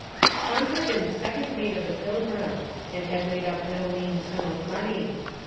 Tom had been second mate of the Pilgrim, and had laid up no mean sum of money.